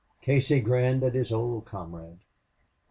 Casey grinned at his old comrade.